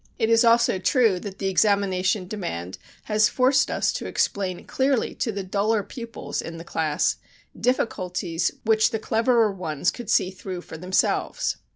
It is also true that the examination demand has forced us to explain clearly to the duller pupils in the class difficulties which the cleverer ones could see through for themselves.